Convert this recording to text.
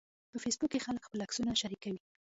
په فېسبوک کې خلک خپل عکسونه شریکوي